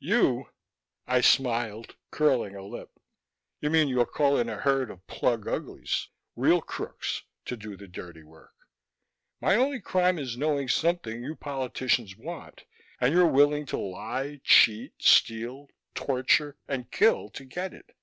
"You?" I smiled, curling a lip. "You mean you'll call in a herd of plug uglies: real crooks, to do the dirty work. My only crime is knowing something you politicians want, and you're willing to lie, cheat, steal, torture, and kill to get it.